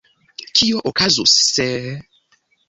Kio okazus, se…